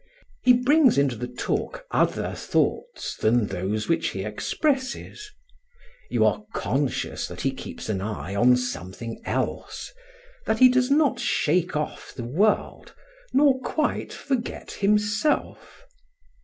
He brings into the talk other thoughts than those which he expresses; you are conscious that he keeps an eye on something else, that he does not shake off the world, nor quite forget himself.